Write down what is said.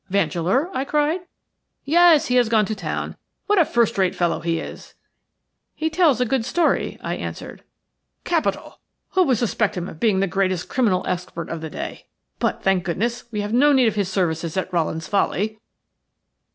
"Vandeleur?" I cried. "Yes, he has gone to town. What a first rate fellow he is!" "He tells a good story," I answered. "Capital. Who would suspect him of being the greatest criminal expert of the day? But, thank goodness, we have no need of his services at Rowland's Folly."